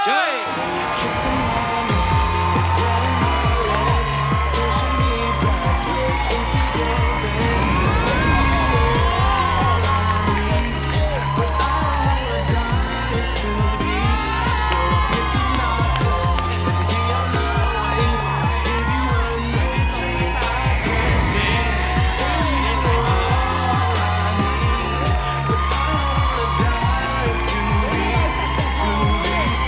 เชื่อ